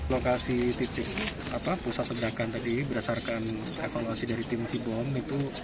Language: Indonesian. lokasi titik pusat pergerakan tadi berdasarkan evaluasi dari tim si bom itu